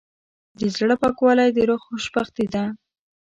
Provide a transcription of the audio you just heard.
د زړه پاکوالی د روح خوشبختي ده.